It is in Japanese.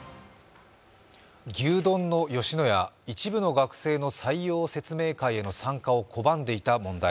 牛丼の吉野家、一部の学生の採用説明会への参加を拒んでいた問題。